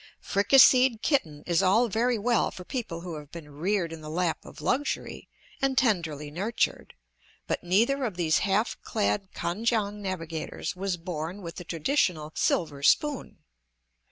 Fricasseed kitten is all very well for people who have been reared in the lap of luxury, and tenderly nurtured; but neither of these half clad Kan kiang navigators was born with the traditional silver spoon.